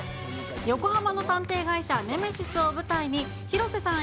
横浜の探偵会社、ネメシスを舞台に、広瀬さん